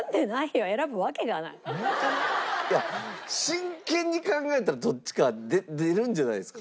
真剣に考えたらどっちか出るんじゃないですか？